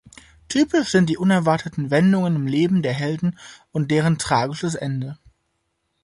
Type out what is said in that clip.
Typisch sind die unerwartete Wendungen im Leben der Helden und deren tragisches Ende.